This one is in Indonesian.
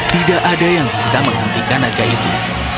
tidak ada yang bisa menghentikan naga itu